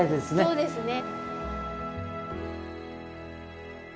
そうですね。